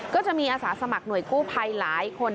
ก็จะมีอาสาสมัครหน่วยกู้ภัยหลายคน